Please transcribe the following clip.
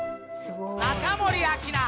・中森明菜